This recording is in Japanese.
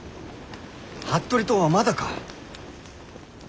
服部党はまだか？